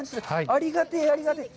ありがてぇ、ありがてぇ。